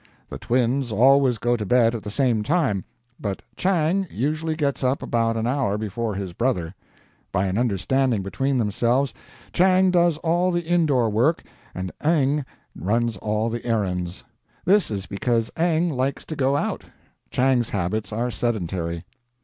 The Twins always go to bed at the same time; but Chang usually gets up about an hour before his brother. By an understanding between themselves, Chang does all the indoor work and Eng runs all the errands. This is because Eng likes to go out; Chang's habits are sedentary.